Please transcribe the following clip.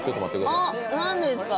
あっ何ですか？